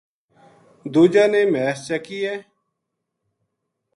دوجا نے مھیس چَکی ہے